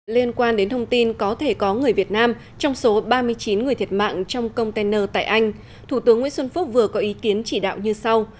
liên quan đến thông tin có thể có người việt nam trong số ba mươi chín người thiệt mạng trong container tại anh thủ tướng nguyễn xuân phúc vừa có ý kiến chỉ đạo như sau